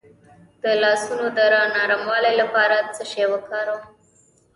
د لاسونو د نرموالي لپاره څه شی وکاروم؟